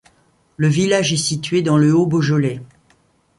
Le village est situé dans le haut Beaujolais.